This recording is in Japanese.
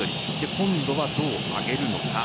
今度はどう上げるのか。